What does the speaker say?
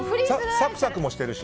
サクサクもしてるし。